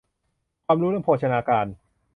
ความรู้เรื่องโภชนาการ